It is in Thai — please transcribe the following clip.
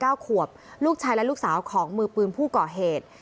สอนสังวัย๙ครัวลูกชายและลูกสาวของมือปืนผู้ก่อเหตุ